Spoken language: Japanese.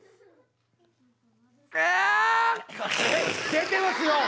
出てますよ！